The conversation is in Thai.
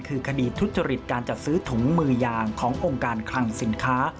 คือคดีทุจริตการจัดซื้อถุงมือยางขององค์การคลังสินค้า